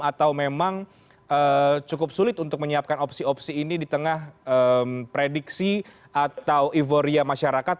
atau memang cukup sulit untuk menyiapkan opsi opsi ini di tengah prediksi atau euforia masyarakat